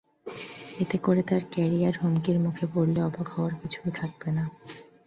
এতে করে তাঁর ক্যারিয়ার হুমকির মুখে পড়লে অবাক হওয়ার কিছুই থাকবে না।